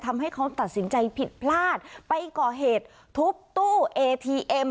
ทำให้เขาตัดสินใจผิดพลาดไปก่อเหตุทุบตู้เอทีเอ็ม